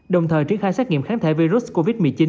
đồng thời triển khai xét nghiệm kháng thể virus covid một mươi chín